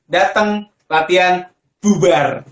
dateng latihan bubar